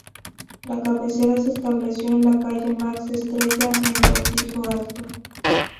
La cabecera se estableció en la calle Max Estrella, en Cortijo Alto.